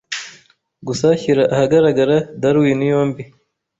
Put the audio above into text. Gusa shyira ahagaragara Darwin Yombi